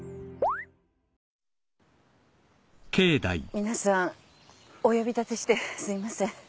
皆さんお呼び立てしてすいません。